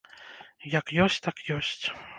Як ёсць, так ёсць.